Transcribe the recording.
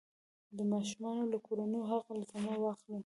د ماشومانو له کورنیو حق الزحمه واخلي.